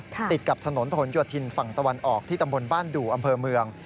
ติดกับถนนผลโยธินฝั่งตะวันออกที่ตำบลบ้านดู่อำเภอเมือง